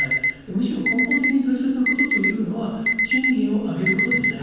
むしろ、根本的に大切なことは賃金を上げることですね。